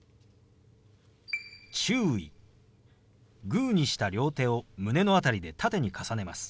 グーにした両手を胸の辺りで縦に重ねます。